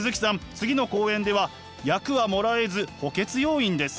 次の公演では役はもらえず補欠要員です。